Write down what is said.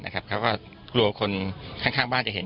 เขาก็กลัวคนข้างบ้านจะเห็น